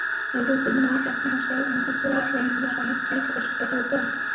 এরপর তিনি চাকমা ভাষায় অনূদিত রবীন্দ্রসংগীতের সিডি প্রকাশেও সহযোগিতার আশ্বাস দেন।